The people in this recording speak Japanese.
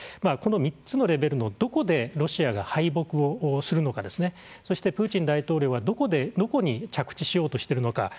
この３つのレベルのどこでロシアが敗北をするのかそして、プーチン大統領はどこに着地しようとしてるのか。